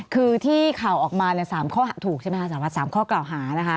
คือที่ข่าวออกมาเนี่ย๓ข้อถูกใช่ไหมค่ะสำหรับ๓ข้อเก่าหานะคะ